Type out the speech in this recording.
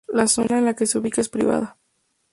La zona en la que se ubica es privada.